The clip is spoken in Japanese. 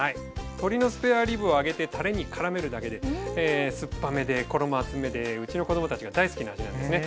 鶏のスペアリブを揚げてタレにからめるだけで酸っぱめで衣厚めでうちの子どもたちが大好きな味なんですね。